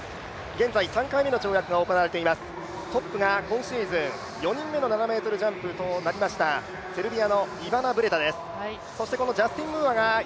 現在３回目の跳躍が行われていますトップが今シーズン４人目の７ｍジャンプとなりました、セルビアのイバナ・ブレタです。